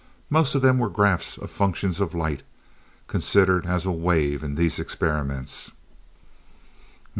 Most of them were graphs of functions of light, considered as a wave in these experiments.